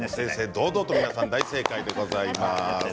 堂々と皆さん大正解でございます。